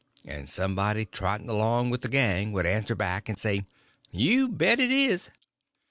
_" And somebody trotting along with the gang would answer back and say: "You bet it is."